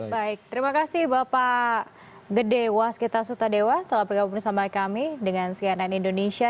baik terima kasih bapak gede waskita sutadewa telah bergabung bersama kami dengan cnn indonesia